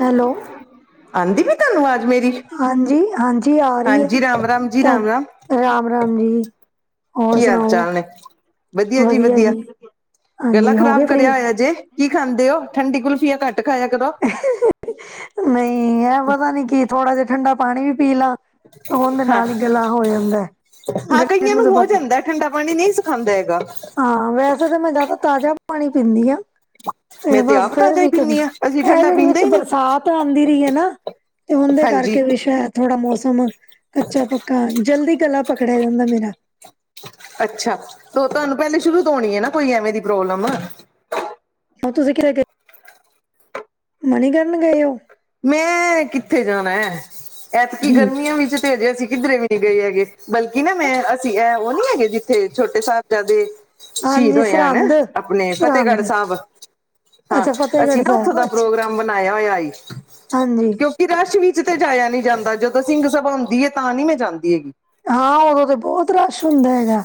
Hello. ਆਂਦੀ ਪਈ ਤੁਹਾਨੂੰ ਆਵਾਜ਼ ਮੇਰੀ? ਹਾਂਜੀ-ਹਾਂਜੀ, ਆ ਰੀ ਏ, ਹਾਂਜੀ ਰਾਮ ਰਾਮ ਜੀ ਰਾਮ ਰਾਮ [unintelligible] ਰਾਮ-ਰਾਮ ਜੀ। ਹੋਰ ਕੀ ਹਾਲ ਸੁਣਾਓ ਚਾਲ ਨੇ? ਵਧੀਆ ਜੀ ਵਧੀਆ, ਗਲਾ ਹਾਂਜੀ ਹੋ ਗਏ ਖ਼ਰਾਬ ਫ੍ਰੀ ਕਰਿਆ ਹੋਇਆ ਜੇ। ਕੀ ਖਾਂਦੇ ਓ? ਠੰਡੀ ਕੁਲਫੀਆਂ ਘੱਟ ਖਾਇਆ ਕਰੋ। ਨਈ, ਐ ਪਤਾ ਨੀ ਕੀ ਥੋੜਾ ਜਾ ਠੰਡਾ ਪਾਣੀ ਵੀ ਪੀ ਲਾ ਤੇ ਓਂਦੇ ਹਾਂ ਨਾਲ ਈ ਗਲਾ ਹੋ ਜਾਂਦਾ ਐ, ਹਾਂ ਗੱਲੇ ਕਈਆਂ ਨੂੰ ਤਾਂ ਹੋ ਪਤਾ ਜਾਂਦਾ ਠੰਡਾ ਪਾਨੀ ਨਈ ਸੁੱਖਾਂਦਾ ਹੈਗਾ। ਹਾਂ, ਵੈਸੇ ਤੇ ਮੈਂ ਜਾਦਾ ਤਾਜ਼ਾ ਪਾਣੀ ਪੀਂਦੀ ਆਂ। ਤੇ ਮੈਂ ਬਸ ਆਪ ਫੇਰ ਤਾਜ਼ਾ ਹੀ ਵੀ ਕਦੀ, ਪੀਂਦੀ ਹਾਂ ਅਸੀਂ ਏ ਠੰਡਾ ਜੇੜੀ ਪੀਂਦੇ ਵਿੱਚ ਹੀ ਨਹੀਂ ਬਰਸਾਤ ਆਂਦੀ ਰਈ ਐ ਨਾ ਤੇ ਉੰਦੇ ਹਾਂਜੀ ਕਰਕੇ ਵੀ ਸ਼ਾਇਦ ਥੋੜਾ ਮੌਸਮ ਕੱਚਾ ਪੱਕਾ, ਜਲਦੀ ਗਲਾ ਪਕੜਿਆ ਜਾਂਦਾ ਮੇਰਾ। ਅੱਛਾ ਤੋਂ ਤੁਹਾਨੂੰ ਪਹਿਲੇ ਸ਼ੁਰੂ ਤੋਂ ਹੋਣੀ ਐ ਨਾ ਕੋਈ ਐਵੇਂ ਦੀ ਪ੍ਰੋਬਲਮ। ਹਾਂ ਤੁਸੀ ਕੀਤੇ ਗਏ, ਮਨੀਕਰਨ ਗਏ ਓ? ਮੈਂ ਕਿੱਥੇ ਜਾਣਾ ਐ, ਐਤਕੀ ਹਮ ਗਰਮੀਆਂ ਵਿੱਚ ਤੇ ਹਜੇ ਅਸੀਂ ਕਿੱਧਰੇ ਵੀ ਨੀ ਗਏ ਹੈਗੇ। ਬਲਕਿ ਨਾ ਮੈਂ ਅਸੀਂ ਐ ਓ ਨੀ ਹੈਗੇ ਜਿੱਥੇ ਛੋਟੇ ਸਾਹਿਬਜ਼ਾਦੇ ਸ਼ਹੀਦ ਹਾਂਜੀ ਹੋਏ ਸਰਹੰਦ ਹਨ, ਅਪਨੇ ਸਰਹੰਦ ਫਤਿਹਗੜ੍ਹ ਸਾਹਿਬ। ਹਾਂ, ਅੱਛਾ ਅਸੀਂ ਫਤਿਹਗੜ੍ਹ ਨਾ ਓਥੋਂ ਸਾਹਿਬ ਦਾ ਅੱਛਾ ਪ੍ਰੋਗਰਾਮ ਬਣਾਇਆ ਹੋਇਆ ਹਾਈ। ਹਾਂਜੀ ਕਿਉਂਕਿ ਰਸ਼ ਵਿੱਚ ਤੇ ਜਾਇਆ ਨੀ ਜਾਂਦਾ, ਜਦੋਂ ਸਿੰਘ ਸਭਾ ਹੋਂਦੀ ਐ ਤਾਂ ਨੀ ਮੈਂ ਜਾਂਦੀ ਹੈਗੀ। ਹਾਂ ਓਦੋਂ ਤੇ ਬਹੁਤ ਰਸ਼ ਹੁੰਦਾ ਹੈਗਾ,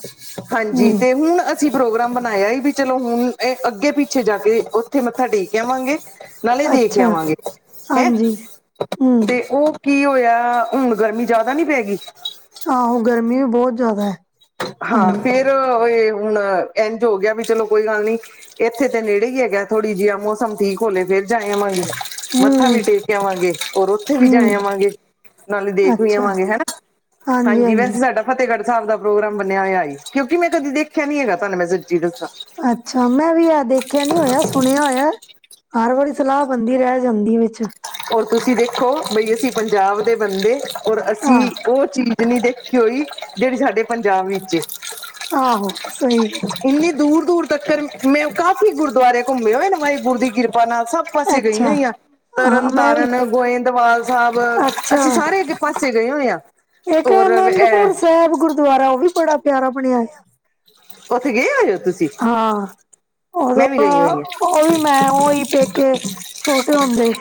ਹਾਂਜੀ ਹੂੰ। ਤੇ ਹੁਣ ਅਸੀਂ ਪ੍ਰੋਗਰਾਮ ਬਨਾਇਆ ਈ ਵੀ ਚਲੋ ਹੁਨ ਐ ਅੱਗੇ ਪਿੱਛੇ ਜਾ ਕੇ ਓਥੇ ਮੱਥਾ ਟੇਕ ਆਵਾਂਗੇ। ਨਾਲੇ ਦੇਖ ਅੱਛਾ ਆਵਾਂਗੇ, ਹੈਂ ਹਾਂਜੀ ਹੂੰ ਤੇ ਓ ਕੀ ਹੋਇਆ? ਹੁਨ ਗਰਮੀ ਜਾਦਾ ਨੀ ਪੈ ਗੀ। ਆਹੋ, ਗਰਮੀ ਵੀ ਬੋਤ ਜਾਦਾ ਐ ਹਾਂਜੀ। [unintelligible] ਏ ਹੁਣ ਇੰਝ ਹੋ ਗਿਆ ਵੀ ਚਲੋ ਕੋਈ ਗੱਲ ਨੀ। ਏਥੇ ਤੇ ਨੇੜੇ ਹੀ ਹੈਗਾ, ਥੋੜ੍ਹੀ ਜੀ ਐ ਮੌਸਮ ਠੀਕ ਹੋਲੇ, ਫੇਰ ਜਾ ਆਵਾਂਗੇ। ਮੱਥਾ ਵੀ ਹੂੰ ਟੇਕ ਆਵਾਂਗੇ ਔਰ ਓਥੇ ਵੀ ਜਾ ਹੂੰ ਆਵਾਂਗੇ, ਨਾਲੇ ਦੇਖ ਵੀ ਅੱਛਾ ਆਵਾਂਗੇ ਹਨਾ। ਹਾਂਜੀ ਹਾਂ। ਵੈਸੇ ਸਾਡਾ ਫ਼ਤਹਿਗੜ੍ਹ ਸਾਹਿਬ ਦਾ ਪ੍ਰੋਗਰਾਮ ਬਣਿਆ ਹੋਈਆ ਹਾਈ ਕਿਉਂਕ ਮੈਂ ਕਦੇ ਦੇਖਿਆ ਨੀ ਹੈਗਾ ਤੁਹਾਨੂੰ ਮੈਂ ਸੱਚੀ ਦੱਸਾਂ। ਅੱਛਾ ਮੈਂ ਵੀ ਐ ਦੇਖਿਆ ਨੀ ਹੋਇਆ, ਸੁਣਿਆ ਹੋਇਆ। ਹਰ ਵਾਰੀ ਸਲਾਹ ਬੰਦੀ, ਰਹਿ ਜਾਂਦੀ ਵਿੱਚ। ਔਰ ਤੁਸੀਂ ਦੇਖੋ, ਬਈ ਅਸੀਂ ਪੰਜਾਬ ਦੇ ਬੰਦੇ ਔਰ ਅਸੀਂ ਆਹ ਓ ਚੀਜ਼ ਚੀਜ਼ ਨੀ ਦੇਖੀ ਹੋਈ, ਜੇੜੀ ਸਾਡੇ ਪੰਜਾਬ ਵਿੱਚ ਏ। ਆਹੋ। ਸਹੀ ਵਿੱਚ ਇੰਨੀ ਦੂਰ-ਦੂਰ ਤੱਕਰ ਮੈਂ ਕਾਫ਼ੀ ਗੁਰਦੁਆਰੇ ਘੁੰਮੇ ਹੋਏ ਵਾਹਿਗੁਰੂ ਦੀ ਕਿਰਪਾ ਨਾਲ ਸਭ ਪਾਸੇ ਗਈ ਅੱਛਾ ਹੋਈ ਆਂ। ਹਾਂ ਮੈਂ ਵੀ ਤਰਨਤਾਰਨ, ਗੋਇੰਦਵਾਲ ਸਾਹਿਬ, ਅੱਛਾ ਅਸੀਂ ਸਾਰੇ ਅ ਪਾਸੇ ਗਏ ਹੋਣੇ ਆਂ। ਹੋਰ [unintelligible] ਦੁਆਰਾ ਓ ਵੀ ਬੜਾ ਪਿਆਰਾ ਬਣਿਆ ਓਥੇ ਗਏ ਹੋਏ ਓ ਤੁਸੀਂ? ਹਾਂ, ਉਦੋਂ, ਮੈਂ ਵੀ ਗਈ ਹੋਈ ਹਾਂ ਉਹ ਵੀ ਮੈਂ ਉਈ ਪੇਕੇ ਛੋਟੇ ਹੁੰਦੇ,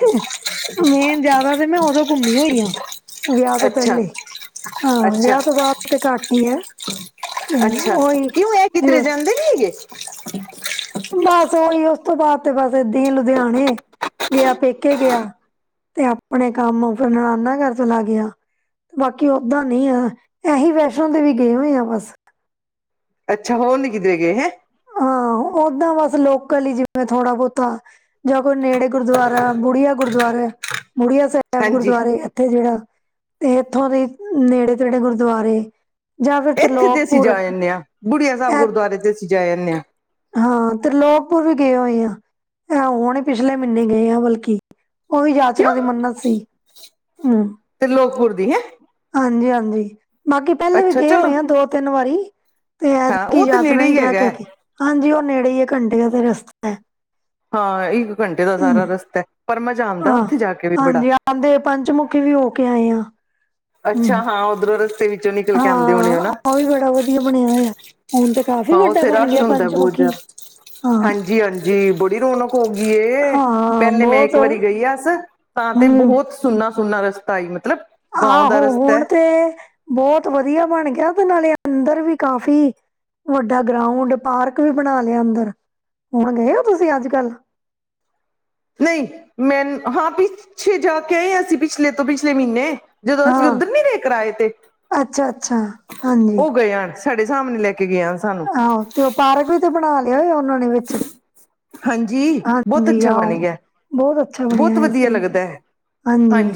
ਮੇਨ ਜਿਆਦਾ ਤੇ ਮੈਂ ਉਦੋਂ ਘੁੰਮੀ ਹੋਈ ਆਂ ਵਿਆਹ ਤੋਂ ਅੱਛਾ। ਪਹਿਲੇ ਹਾਂ, ਅੱਛਾ ਵਿਆਹ ਤੋਂ ਬਾਅਦ ਤੇ ਘੱਟ ਹੀ ਹੈ, ਤੇ ਉਹੀ ਜ ਠੀ [unintelligible] ਬਸ ਉਹੀ, ਉਸ ਤੋਂ ਬਾਅਦ ਤੇ ਬਸ ਏਦਾਂ ਹੀ ਲੁਧਿਆਣੇ, ਗਿਆ ਪੇਕੇ ਗਿਆ ਤੇ ਆਪਣੇ ਕੰਮ ਫਿਰ ਨੜਾਨਾ ਘਰ ਚਲਾ ਗਿਆ ਬਾਕੀ ਓਦਾਂ ਨਹੀਂ ਆ, ਏਹੀ ਵੈਸ਼ਨੋ ਦੇਵੀ ਗਏ ਹੋਏ ਆ ਬਸ ਅੱਛਾ ਹੋਰ ਨੀ ਕਿਧਰੇ ਵ ਗਏ ਹੈਂ ਹਾਂ, ਓਦਾਂ ਬਸ ਲੋਕਲ ਹੀ ਜਿਵੇਂ ਥੋੜਾ ਬਹੁਤਾ ਜਾਂ ਕੋਈ ਨੇੜੇ ਗੁਰਦੁਆਰਾ, ਬੁੜੀਆ ਗੁਰਦੁਆਰਾ ਹੈ, ਬੁੜੀਆ ਸਾਹਿਬ ਸਾਹਿਬ ਹਾਂਜੀ ਗੁਰਦੁਆਰੇ ਇੱਥੇ ਜਿਹੜਾ, ਤੇ ਇੱਥੋਂ ਦੇ ਨੇੜੇ- ਤੇੜੇ ਗੁਰਦੁਆਰੇ ਜਾਂ ਫਿਰ ਇੱਥੇ ਤੇ ਅਸੀਂ ਜਾ ਤ੍ਰਿਲੋਕਪੁਰ ਇਹ ਆਣੇ ਹਾਂ, ਬੁੜੀਆ ਸਾਹਿਬ ਗੁਰਦੁਆਰੇ ਤੇ ਅਸੀਂ ਜਾ ਆਣੇ ਹਾਂ ਹਾਂ, ਤ੍ਰੀਲੋਕਪੁਰ ਵੀ ਗਏ ਹੋਏ ਹਾ ਆਂ ਹੁਣੇ ਪਿਛਲੇ ਮਹੀਨੇ ਗਏ ਆ ਬਲਕਿ, ਉਹ ਵੀ ਯਾਤਰਾ ਕਿਉਂ ਦੀ ਮੰਨਤ ਸੀ ਹਮ ਤ੍ਰੀਲੋਕਪੁਰ ਦੀ ਹੈਂ ਹਾਂਜੀ -ਹਾਂਜੀ ਬਾਕੀ ਪਹਿਲੇ ਵੀ ਅੱਛਾ ਗਏ ਚਲੋ ਹੋਏ ਆ ਦੋ' ਤਿੰਨ ਵਾਰੀ, ਤੇ ਹਾਂ ਏਦਕੀ ਉਹ ਤੇ ਨੇੜੇ ਯਾਤਰਾ ਹੀ ਗਹਿ ਹੈਗਾ ਕੇਹਿ ਹੈ। ਕੇ ਹਾਂਜੀ ਉਹ ਨੇੜੇ ਹੀ ਹੈ ਘੰਟੇ ਦੇ ਰਸਤੇ ਹਾਂ ਇੱਕ ਘੰਟੇ ਦਾ ਸਾਰਾ ਰਸਤਾ ਹੈ, ਪਰ ਮਜਾ ਆਂਦਾ ਏ ਹਾਂ ਉੱਥੇ ਜਾ ਕੇ ਵੀ ਬੜਾ ਹਾਂਜੀ ਆਂਦੇ ਪੰਚਮੁਖੀ ਵੀ ਹੋ ਕੇ ਆਏ ਹਾਂ ਅੱਛਾ, ਹਾਂ ਓਧਰੋਂ ਰਸਤੇ ਵਿੱਚੋਂ ਨਿਕਲ ਕੇ ਆਉਂਦੇ ਹੋਣੇ ਓ ਨਾ ਵਦੀਆ ਬਣਿਆ ਹੋਇਆ, ਹੁਣ ਤੇ ਕਾਫ਼ੀ ਹਾਂ ਵੱਡਾ ਉੱਥੇ ਬਣ ਰਸ਼ ਗਿਆ ਪੰਚਮੁਖੀ, ਹਾਂ ਜੀ ਹਾਂਜੀ ਬੜੀ ਰੌਣਕ ਹੋ ਗਈ, ਹਾਂ ਪਹਿਲੇ ਮੈਂ ਬਹੁਤ ਇੱਕ ਵਾਰੀ ਗਈ ਆਸ ਤਾਂ ਤੇ ਹਮ ਬਹੁਤ ਸੁੰਨਾ ਸੁੰਨਾ ਰਸਤਾ ਈ ਮਤਲਬ ਗਾਉਂ ਦਾ ਆਹੋ ਰਸਤਾ ਹੁਣ ਹੈ ਤੇ, ਬਹੁਤ ਵਧੀਆ ਬਣ ਗਿਆ ਤੇ ਨਾਲੇ ਅੰਦਰ ਵੀ ਕਾਫ਼ੀ ਵੱਡਾ ਗਰਾਊਂਡ ਪਾਰਕ ਵੀ ਬਣਾ ਲਿਆ ਅੰਦਰ, ਵਹਾ ਗਏ ਹੋ ਤੁਸੀਂ ਅੱਜ- ਕੱਲ ਨਹੀਂ, ਮੈਂ ਹਾਂ, ਪਿੱਛੇ ਜਾ ਕੇ ਆਏ ਹਾਂ ਅਸੀਂ ਪਿਛਲੇ ਤੋਂ ਪਿਛਲੇ ਮਹੀਨੇ ਜਦੋਂ ਅਸੀਂ ਹਾਂ ਉੱਧਰ ਨੀ ਰਹੇ ਕਰਾਏ ਤੇ, ਅੱਛਾ ਅੱਛਾ ਹਾਂਜੀ ਉਹ ਗਏ ਹ ਸੀ ਸਾਡੇ ਸਾਹਮਣੇ ਲੈ ਕੇ ਗਿਆ ਸਾਨੂੰ ਆਹੋ, ਤੇ ਉਹ ਪਾਰਕ ਵੀ ਤੇ ਬਣਾ ਲਿਆ ਹੋਇਆ ਉਹਨਾਂ ਨੇ ਵਿੱਚ ਹਾਂਜੀ, ਬਹੁਤ ਹਾਂਜੀ ਅੱਛਾ ਆਹੋ ਬਣ ਗਿਆ, ਬਹੁਤ ਅੱਛਾ ਬਣਿਆ ਬਹੁਤ ਹੋਇਆ ਵਧੀਆ ਸਹੀ ਲੱਗਦਾ ਹੈ ਹਾਂਜੀ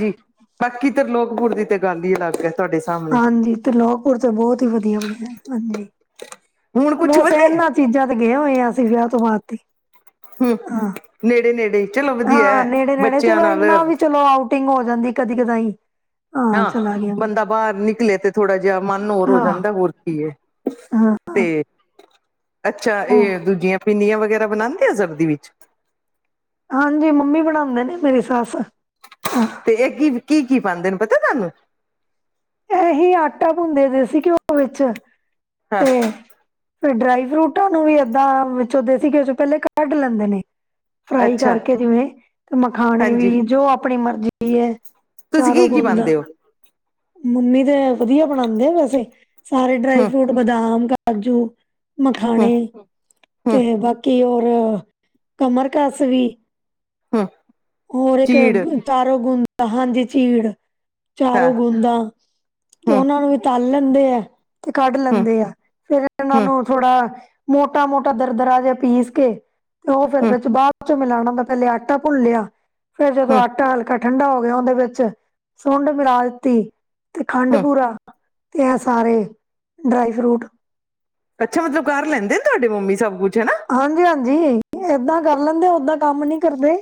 ਬਾਕੀ ਤ੍ਰੀਲੋਕਪੁਰ ਦੀ ਤੇ ਗੱਲ ਹੀ ਅਲੱਗ ਤੁਹਾਡੇ ਸਾਹਮਣੇ ਹਾਂਜੀ, ਤ੍ਰੀਕਲੋਪੁਰ ਤੇ ਬਹੁਤ ਹੀ ਵਧੀਆ ਬਣਿਆ, ਹਾਂਜੀ ਹੁਣ ਕੁਛ ਬਸ ਵਧੇ ਇਹਨਾਂ ਚੀਜ਼ਾਂ ਤੇ ਗਏ ਹੋਏ ਆ ਅਸੀਂ ਵਿਆਹ ਤੋਂ ਬਾਅਦ ਤੇ ਹਮ ਹਾਂ, ਨੇੜੇ ਨੇੜੇ ਚਲੋ ਵਧੀਆ ਹਾਂ ਹੈ ਨੇੜੇ- ਨੇੜੇ ਬੱਚਿਆਂ ਚਲੋ ਨਾਲ ਇੰਨਾ ਵੀ ਚਲੋ ਆਊਟ ਟਿੰਗ ਹੋ ਜਾਂਦੀ ਕਦੀ ਕਦਾਈ ਹਾਂ, ਚਲਾ ਗਿਆ ਵਾ ਬੰਦਾ ਬਾਹਰ ਨਿਕਲੇ ਤੇ ਥੋੜਾ ਜਿਹਾ ਮਨ ਹੋਰ ਹੋ ਜਾਂਦਾ, ਹਾਂ ਹੋਰ ਕੀ ਏ ਹਾਂ ਤੇ, ਅੱਛਾ ਹੋ ਇਹ ਦੂਜੀਆਂ ਪਿੰਨੀਆਂ ਵਗੈਰਾ ਬਣਾਉਂਦੇ ਔ ਸਰਦੀ ਵਿੱਚ ਹਾਂਜੀ, ਮੰਮੀ ਬਣਾਉਂਦੇ ਨੇ ਮੇਰੀ ਸੱਸ, ਹ ਇਹ ਕੀ, ਕੀ- ਕੀ ਪਾਉਂਦੇ ਨੇ ਪਤਾ ਤੁਹਾਨੂੰ ਇਹੀ ਆਟਾ ਪੁੰਦੇ ਦੇਸੀ ਘਿਓ ਵਿੱਚ, ਹਾਂ ਤੇ ਫਿਰ ਡਰਾਈ ਫਰੂਟਾਂ ਨੂੰ ਵੀ ਏਦਾਂ, ਵਿੱਚੋਂ ਦੇਸੀ ਘਿਓ ਵਿੱਚੋ ਪਹਿਲੇ ਕੱਢ ਲੈਂਦੇ ਨੇ ਫਰਾਈ ਅੱਛਾ ਕਰਕੇ ਜਿਵੇਂ ਤੇ ਮਖਾਣੇ ਹਾਂਜੀ ਵੀ, ਜੋ ਆਪਣੀ ਮਰਜ਼ੀ ਹੈ ਤੁਸੀਂ ਕੀ ਚਾਰੋਂ ਕੀ ਗੁੰਦ ਪਾਨਦੇ ਹੋ ਮੰਮੀ ਤੇ ਵਧੀਆ ਬਣਾਉਂਦੇ ਆ ਵੈਸੇ, ਸਾਰੇ ਡਰਾਈ ਹਮ ਫਰੂਟ ਬਦਾਮ ਕਾਜੂ ਹਮ ਮਖਾਣੇ ਹਮ ਤੇ ਬਾਕੀ ਹੋਰ ਕਮਰ ਕਸ ਵੀ ਹਮ ਹੋਰ ਇੱਕ ਚੀੜ ਚਾਰੋ ਗੁੰਦਾ ਹਾਂਜੀ ਚੀੜ ਹਾਂ ਚਾਰੋਂ ਗੂੰਦਾਂ ਤੇ ਹਮ ਉਹਨਾਂ ਨੂੰ ਵੀ ਤਲ ਲੈਂਦੇ ਏ ਤੇ ਕੱਢ ਹਮ ਲੈਂਦੇ ਆ ਫਿਰ ਇਹਨਾਂ ਹਮ ਨੂੰ ਥੋੜਾ ਮੋਟਾ ਮੋਟਾ ਦਰ ਦਰਾ ਜੇਹਾ ਪੀਸ ਕੇ ਤੇ ਉਹ ਫਿਰ ਹਮ ਵਿੱਚ ਬਾਅਦ ਚੋਂ ਮਿਲਣਾ ਦਾ ਪਹਲੇ ਆਟਾ ਭੁੰਨ ਲਿਆ ਫੇਰ ਜਦੋਂ ਹਮ ਆਟਾ ਹਲਕਾ ਠੰਢਾ ਹੋ ਗਿਆ ਉਹਦੇ ਵਿੱਚ ਸੁੰਡ ਮਿਲਾ ਦਿੱਤੀ ਤੇ ਖੰਡ ਹਮ ਬੁਰਾ ਤੇ ਇਹ ਸਾਰੇ ਡਰਾਈ ਫਰੂਟ ਅੱਛਾ ਮਤਲਬ ਕਰ ਲੈਂਦੇ ਨੇ ਤੁਹਾਡੇ ਮੰਮੀ ਸਭ ਕੁੱਛ ਹੈਨਾ ਹਾਂਜੀ ਹਾਂਜੀ ਏਦਾਂ ਕਰ ਲੈਂਦੇ ਓਦਾਂ ਕੰਮ ਨੀ ਕਰਦੇ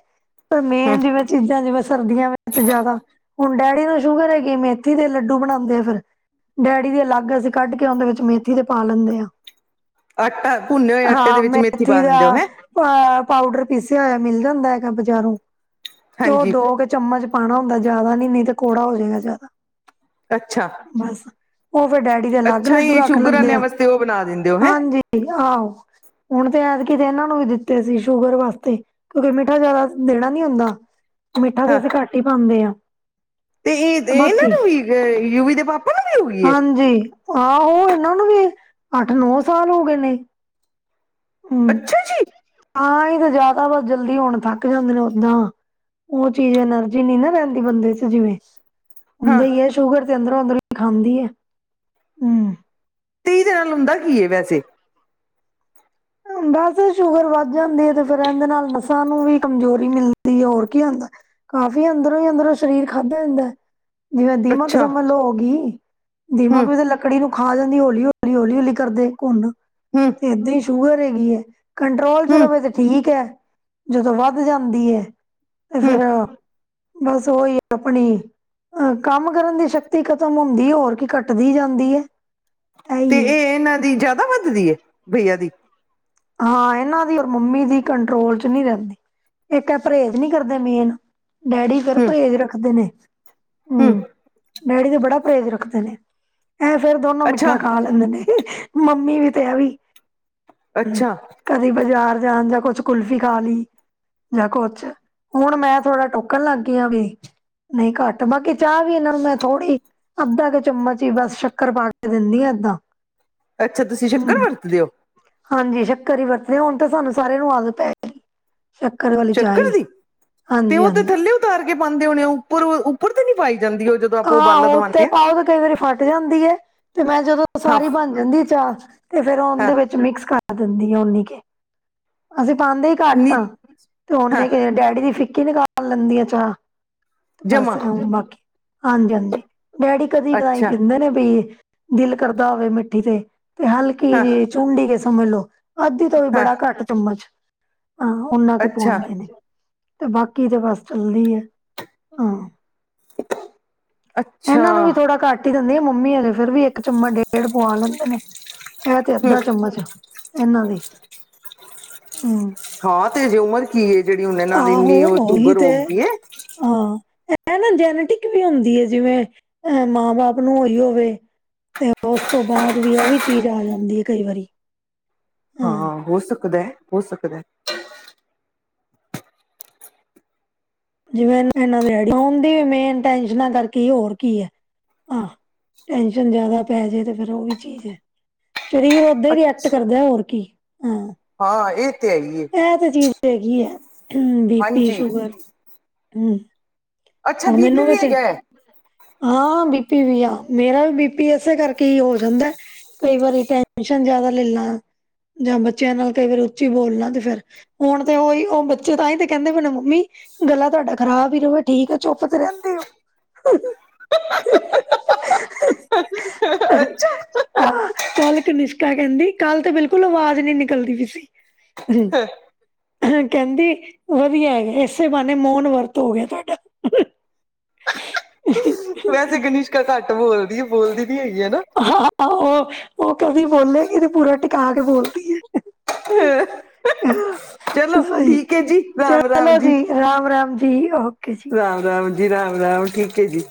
ਹੂੰ ਮੇਨ ਜਿਵੇਂ ਚੀਜ਼ਾਂ ਜਿਵੇਂ ਸਰਦੀਆਂ ਵਿੱਚ ਜ਼ਿਆਦਾ ਹੁਣ ਡੈਡੀ ਨੂੰ ਸੁਗਰ ਹੈਗੀ ਏ ਮੇਥੀ ਦੇ ਲੱਡੂ ਬਣਾਉਂਦੇ ਫਿਰ ਡੈਡੀ ਦੇ ਅਲੱਗ ਅਸੀਂ ਕੱਢ ਕੇ ਓਂਦੇ ਵਿੱਚ ਮੇਥੀ ਦੇ ਪਾ ਲੈਂਦੇ ਹਾਂ ਆਟਾ ਭੁੰਨੇ ਹੋਏ ਆਟੇ ਦੇ ਵਿੱਚ ਮੇਥੀ ਪਾ ਦਾ ਦਿੰਦੇ ਹੋ ਹੈਂ ਅਆ ਪਾਊਡਰ ਪੀਸਿਆ ਹੋਇਆ ਮਿਲ ਜਾਂਦਾ ਹੈਗਾ ਬਜ਼ਾਰੋਂ। ਤੇ ਔ ਹਾਂਜੀ ਦੋ ਕ ਚਮਚ ਪਾਣਾ ਹੁੰਦੈ ਜੈਦਾ ਨੀ ਨਹੀਂ ਤੇ ਕੌੜਾ ਹੋ ਜੇਗਾ ਜੈਦਾ। ਅੱਛਾ। ਬਸ ਓਹ ਫੇਰ ਡੈਡੀ ਦੇ ਅਲੱਗ ਅੱਛਾ ਲੱਡੂ ਇਹ ਰੱਖ ਸ਼ੂਗਰ ਲੈਂਦੇ ਵਾਲਿਆਂ ਆ। ਵਾਸਤੇ ਉਹ ਬਣਾ ਦਿੰਦੇ ਹੋ ਹੈਂ ਹਾਂਜੀ, ਆਹੋ। ਹੁਣ ਤੇ ਐਦਕੀ ਏਨਾਂ ਨੂੰ ਵੀ ਦਿੱਤੇ ਸੀ ਸ਼ੂਗਰ ਵਾਸਤੇ, ਕਿਉਂਕਿ ਮਿੱਠਾ ਜੈਦਾ ਦੇਣਾ ਨੀ ਹੁੰਦਾ। ਮਿੱਠਾ ਤੇ ਹਾਂ ਅਸੀਂ ਘੱਟ ਹੀ ਪਾੰਦੇ ਆਂ। ਤੇ ਏਹ ਦੇ ਏਨਾਂ ਨੂੰ ਵੀ, ਯੂਵੀ ਦੇ ਪਾਪਾ ਨੂੰ ਵੀ ਹੋਗੀ ਏ? ਜੀ। ਆਹੋ ਏਨਾਂ ਨੂੰ ਵੀ ਅੱਠ-ਨੌ ਸਾਲ ਹੋ ਗਏ ਨੇ। ਹੂੰ, ਅੱਛਾ ਜੀ ਆਹੀ ਤੇ ਜਯਾਦਾ ਬਸ ਜਲਦੀ ਹੁਣ ਥੱਕ ਜਾਂਦੇ ਨੇ ਓਦਾਂ। ਓਹ ਚੀਜ਼ ਐਨਰਜੀ ਨੀ ਨਾ ਰੈੰਦੀ ਬੰਦੇ ਚ ਜਿਵੇਂ। ਹਾਂ ਹੁੰਦਾ ਈ ਏ ਸ਼ੂਗਰ ਤੇ ਅੰਦਰੋਂ ਅੰਦਰੋਂ ਹੀ ਖਾਂਦੀ ਏ, ਹੂ। ਤੇ ਇਦੇ ਨਾਲ ਹੁੰਦਾ ਕੀ ਏ ਵੈਸੇ? ਬਸ ਸ਼ੂਗਰ ਵੱਧ ਜਾਂਦੀ ਏ ਤੇ ਫੇਰ ਐੰਦੇ ਨਾਲ ਨਸਾਂ ਨੂੰ ਵੀ ਕਮਜ਼ੋਰੀ ਮਿਲਦੀ ਏ, ਹੋਰ ਕੀ ਹੁੰਦਾ। ਕਾਫੀ ਅੰਦਰੋਂ ਹੀ ਅੰਦਰੋਂ ਸਰੀਰ ਖਾਧਾ ਜਾੰਦੈਂ। ਜਿਵੇਂ ਦੀਮਕ ਅੱਛਾ ਸੰਮਝ ਲੋ ਹੋ ਗੀ। ਹੂੰ ਦੀਮਕ ਵੀ ਤੇ ਲ ਲਕੜੀ ਨੂੰ ਖਾ ਜਾਂਦੀ ਏ, ਹੌਲੀ-ਹੌਲੀ, ਹੌਲੀ-ਹੌਲੀ ਕਰਦੇ ਘੁੰਣ। ਹੂ ਏਦਾਂ ਹੀ ਸ਼ੂਗਰ ਹੈਗੀ ਏ, ਕੰਟਰੋਲ ਚ ਹੂੰ ਰਵੇ ਤੇ ਠੀਕ ਹੈ, ਜਦੋਂ ਵੱਧ ਜਾਂਦੀ ਏ ਤੇ ਹੂੰ ਫੇਰ ਬਸ ਓਹੀ ਅਪਣੀ ਅ ਕੰਮ ਕਰਨ ਦੀ ਸ਼ਕਤੀ ਖਤਮ ਹੁੰਦੀ ਏ, ਹੋਰ ਕੀ ਘੱਟਦੀ ਜਾਂਦੀ ਏ। ਤੇ ਏ ਏਹਨਾਂ ਦੀ ਜਯਾਦਾ ਵੱਧਦੀ ਏ, ਭਈਆ ਦੀ? ਹਾਂ, ਏਨਾਂ ਦੀ ਔਰ ਮੰਮੀ ਦੀ ਕੰਟਰੋਲ ਚ ਨੀ ਰੈੰਦੀ। ਇੱਕ ਐ ਪਰਹੇਜ਼ ਨੀ ਕਰਦੇ ਮੇਨ, ਡੈਡੀ ਫੇਰ ਹੂੰ ਪਰਹੇਜ਼ ਰੱਖਦੇ ਨੇ। ਹੂ, ਹੂੰ ਡੈਡੀ ਤੇ ਬੜਾ ਪਰਹੇਜ਼ ਰੱਖਦੇ ਨੇ। ਐ ਫੇਰ ਦੋਨੋ ਅੱਛਾ ਮਿੱਠਾ ਖਾ ਲੈਂਦੇ ਨੇ, ਮੰਮੀ ਵੀ ਤੇ ਐ ਵੀ। ਹੂੰ, ਅੱਛਾ ਕਦੀ ਬਜ਼ਾਰ ਜਾਣ ਜਾਂ ਕੁਛ ਕੁਲਫ਼ੀ ਖਾ ਲੀ। ਯਾ ਕੁਛ, ਹੁਣ ਮੈਂ ਥੋੜ੍ਹਾ ਟੋਕਣ ਲੱਗ ਗਈ ਆ ਵੀ। ਨਹੀਂ ਘੱਟ, ਬਾਕੀ ਚਾਹ ਵੀ ਏਨਾਂ ਨੂੰ ਮੈਂ ਥੋੜ੍ਹੀ ਅੱਧਾ ਕ ਚਮਚ ਹੀ ਬਸ ਸ਼ੱਕਰ ਪਾ ਕੇ ਦਿੰਣੀ ਆਂ ਅੱਧਾ। ਅੱਛਾ, ਤੁਸੀਂ ਸ਼ੱਕਰ ਵਰਤਦੇ ਔ? ਹਾਂਜੀ, ਸ਼ੱਕਰ ਹੀ ਵਰਤਦੇ ਹੁਣ ਤੇ ਸਾਨੂੰ ਸਾਰਿਆਂ ਨੂੰ ਆਦਤ ਪੈਗੀ। ਸ਼ੱਕਰ ਵਾਲੀ ਚਾਹ ਈ, ਹਾਂਜੀ ਹਾਂਜੀ। ਤਾਰ ਕੇ ਪਾੰਦੇ ਹੋਣੇ ਔ ਉਪਰ ਉੱਪਰ ਤੇ ਨੀ ਪਾਈ ਜਾਂਦੀ ਓਹ ਜਦ ਆਹੋ, ਉਤੇ ਪਾਓ ਤੇ ਕਈ ਵਾਰੀ ਫਟ ਜਾਂਦੀ ਏ, ਤੇ ਮੈਂ ਜਦੋਂ ਹਾਂ ਸਾਰੀ ਬਣ ਜਾਂਦੀ ਏ ਚਾਹ ਤੇ ਫੇਰ ਹਾਂ ਔੰਦੇ ਵਿੱਚ ਮਿਕਸ ਕਰ ਦਿੰਦੀ ਆ ਓਨੀ ਕੇ। ਅਸੀਂ ਪਾੰਦੇ ਹੀ ਘੱਟ ਨੀ ਆਂ ਤੇ ਹਾਂ ਓਨੇ ਕੇ ਡੈਡੀ ਦੀ ਫਿੱਕੀ ਨਿਕਾਲ ਲੈਂਦੀ ਆ ਚਾਹ। ਤੇ ਬਸ ਜਮਾ ਬਾਕੀ ਹਾਂਜੀ ਹਾਂਜੀ ਡੈਡੀ ਕਦੀ ਕਦਾਹੀ ਅੱਛਾ ਪੀਂਦੇ ਨੇ, ਬਈ ਦਿਲ ਕਰਦਾ ਹੋਵੇ ਮਿੱਠੀ ਤੇ ਤੇ ਹਲਕੀ ਹਾਂ ਜਿ ਚੁੰਡੀ ਕਿ ਸਮਝ ਲੋ। ਅੱਧੀ ਤੋਂ ਵੀ ਹਾਂ ਬੜਾ ਘੱਟ ਚਮਚ, ਅਹਂ ਉਨਾ ਕੀ ਅੱਛਾ ਪਵਾੰਦੇ ਨੇ। ਤੇ ਬਾਕੀ ਤੇ ਬਸ ਚੱਲਦੀ ਏ ਆਂ। ਅੱਛਾ ਐਨਾਂ ਨੂੰ ਵੀ ਥੋੜਾ ਘੱਟ ਟੀ ਦਿੰਣੀ ਆ ਮੰਮੀ ਅਜੇ ਫੇਰ ਵੀ ਇੱਕ ਚਮਚ ਡੇਢ ਪੂਆ ਲੈਂਦੇ ਨੇ। ਏਹ ਤੇ ਹਮ, ਅੱਧਾ ਚਮਚ ਐਨਾਂ ਦੀ ਹੂ। ਹਾਂ, ਤੇ ਹਜੇ ਉਮਰ ਕੀ ਏ, ਜੇੜੀ ਹੁਣੇ ਨਾਲ ਆਹੋ ਵੀਨੀ ਓਹ ਉਹੀ ਸ਼ੂਗਰ ਤੇ ਹੋਗੀ ਏ। ਹਾਂ, ਐਹ ਨਾ ਜੈਨੇਟਿਕ ਵੀ ਹੁੰਦੀ ਏ, ਜਿਵੇਂ ਅਹ ਮਾਂ-ਬਾਪ ਨੂੰ ਹੋਰੀ ਹੋਵੇ। ਤੇ ਓਸ ਤੋਂ ਬਾਦ ਵੀ ਐਵੀ ਚੀਜ਼ ਆ ਜਾਂਦੀ ਏ ਕਈ ਵਾਰੀ। ਹਾਂ, ਹੋ ਸਕਦੈ ਹੈ, ਹੋ ਸਕਦੈ ਹੈ ਜਿਵੇਂ ਏਨਾਂ ਦੇ ਡੇਡੀ, ਓਂਦੀ ਵੀ ਮੇਨ ਟੈਸਨਾਂ ਕਰਕੇ ਹੋਰ ਕੀ ਏ। ਆਹ ਟੈਨਸ਼ਨ ਜਯਾਦਾ ਪੈ ਜੇ ਤੇ ਫੇਰ ਓ ਵੀ ਚੀਜ਼ ਏ। ਸਰੀਰ ਓਦਾਂ ਈ ਰਿਐਕਟ ਅੱਛਾ ਕਰਦਾ ਹੋਰ ਕੀ। ਹਾਂ ਹਾਂ ਇਹ ਤੇ ਹੈ ਹੀ ਹੈ ਐ ਤੇ ਚੀਜ਼ ਹੈਗੀ ਐ ਹ ਬੀਪੀ, ਹਾਂਜੀ ਸ਼ੂਗਰ। ਹੂ ਅੱਛਾ ਹੁਣ ਬੀਪੀ ਮੈਨੂੰ ਵੀ ਤੇ। ਹੈਗਾ ਹੈ ਹਾਂ ਬੀਪੀ ਵੀ ਆ ਮੇਰਾ ਵੀ ਬੀਪੀ ਏਸੇ ਕਰਕੇ ਹੀ ਹੋ ਜਾਂਦਾ। ਕਈ ਵਾਰੀ ਟੈਨਸ਼ਨ ਜਾਦਾ ਲੈ ਲਾਂ। ਜਾਂ ਬੱਚਿਆਂ ਨਾਲ ਕਈ ਵਾਰੀ ਉੱਚੀ ਬੋਲਣਾ ਤੇ ਫੇਰ। ਹੁਣ ਤੇ ਓਈ ਓ ਬੱਚੇ ਤਾਂਹੀ ਤੇ ਕੈਂਦੇ ਵੀ ਨੇ ਮੰਮੀ- ਗਲਾ ਤੁਹਾਡਾ ਖ਼ਰਾਬ ਈ ਰਵੇ ਠੀਕ ਐ, ਚੁੱਪ ਤੇ ਰਹਿੰਦੇ ਓ। [unintelligible] ਹਾਹਾਂ -ਅੱਛਾ ਆਹ ਕੱਲ ਕਨਿਸ਼ਕਾ ਕੈਂਹਦੀ ਕੱਲ੍ਹ ਤੇ ਬਿਲਕੁਲ ਆਵਾਜ਼ ਨੀ ਨਿਕਲਦੀ ਵੀ ਸੀ। ਅਹੁ ਕੈਂਹਦੀ ਵਧੀਆ ਹੈਗਾ ਏ ਈਸੇ ਬਹਾਨੇ ਮੋਨ ਵਰਤ ਹੋ ਗਿਆ ਤੁਹਾਡਾ। ਵੈਸੇ ਗਨੀਸ਼ਕਾ ਘੱਟ ਬੋਲਦੀ ਏ। ਬੋਲਦੀ ਨੀ ਹੈਗੀ ਹੈਨਾ। ਹ ਓ ਓ ਕਦੀ ਬੋਲੇਗੀ ਤੇ ਪੂਰਾ ਟਿਕਾ ਕੇ ਬੋਲਦੀ ਏ। ਹੇ ਅਹੁ -ਚਲੋ ਸਹੀ ਠੀਕ ਏ ਜੀ। ਰਾਮ -ਰਾਮ ਜੀ। ਰਾਮ ਰਾਮ ਜੀ। ਓਕੇ ਜੀ। ਰਾਮ- ਰਾਮ ਜੀ, ਰਾਮ- ਰਾਮ ਠੀਕ ਏ ਜੀ।